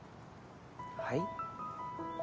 はい？